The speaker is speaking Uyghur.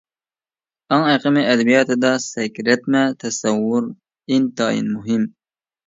ئاڭ ئېقىمى ئەدەبىياتىدا سەكرەتمە تەسەۋۋۇر ئىنتايىن مۇھىم.